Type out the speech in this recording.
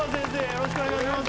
よろしくお願いします